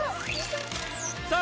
さあ